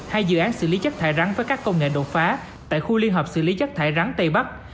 hai dự án xử lý chất thải rắn với các công nghệ đột phá tại khu liên hợp xử lý chất thải rắn tây bắc